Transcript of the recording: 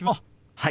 はい！